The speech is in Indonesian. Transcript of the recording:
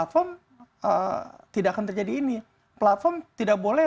terjadi ini platform tidak boleh